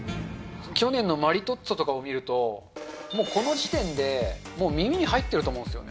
去年のマリトッツォとかを見ると、この時点でもう耳に入っていると思うんですよ。